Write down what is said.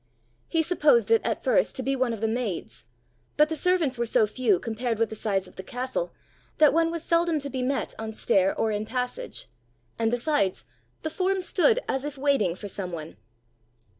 He supposed it at first to be one of the maids; but the servants were so few compared with the size of the castle that one was seldom to be met on stair or in passage; and besides, the form stood as if waiting for some one!